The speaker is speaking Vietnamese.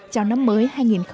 chào năm mới hai nghìn hai mươi